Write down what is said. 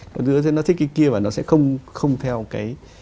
có đứa nó sẽ thích cái kia và nó sẽ không theo cái